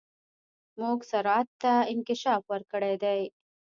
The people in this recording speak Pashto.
موږ سرعت ته انکشاف ورکړی دی.